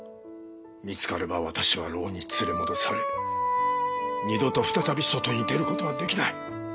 見つかれば私は牢に連れ戻され二度と再び外に出ることはできない。